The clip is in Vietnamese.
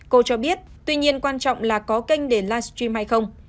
cô cho biết tuy nhiên quan trọng là có kênh để live stream hay không